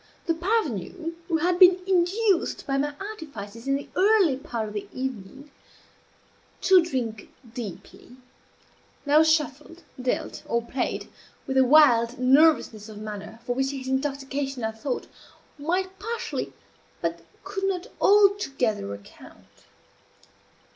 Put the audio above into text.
The parvenu, who had been induced, by my artifices in the early part of the evening, to drink deeply, now shuffled, dealt, or played, with a wild nervousness of manner for which his intoxication, I thought, might partially but could not altogether account.